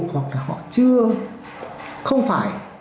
hoặc là họ chưa